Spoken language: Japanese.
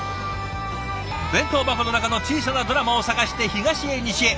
弁当箱の中の小さなドラマを探して東へ西へ。